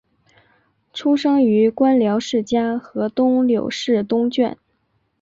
出生于官僚世家河东柳氏东眷。